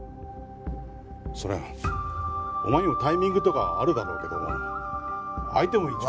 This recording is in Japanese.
そりゃあお前にもタイミングとかあるだろうけども相手も一応。